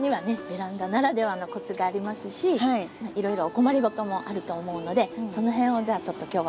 ベランダならではのコツがありますしいろいろお困りごともあると思うのでその辺をじゃあちょっと今日はお話ししたいと思います。